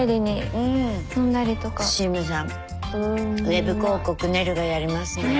ウェブ広告ねるがやりますんで。